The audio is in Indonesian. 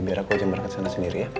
biar aku aja berangkat sana sendiri ya